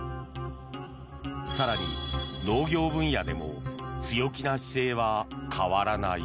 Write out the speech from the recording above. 更に、農業分野でも強気な姿勢は変わらない。